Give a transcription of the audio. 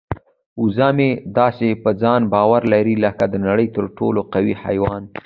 وزه مې داسې په ځان باور لري لکه د نړۍ تر ټولو قوي حیوان.